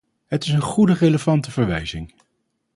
Het is een goede, relevante verwijzing.